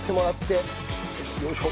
よいしょ。